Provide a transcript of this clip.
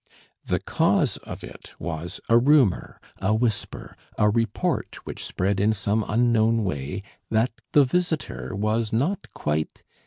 The cause of it was a rumour, a whisper, a report which spread in some unknown way that the visitor was not quite